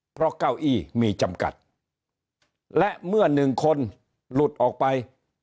เพราะเก้าอี้มีจำกัดและเมื่อหนึ่งคนหลุดออกไป